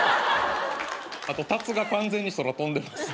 あとたつが完全に空飛んでます。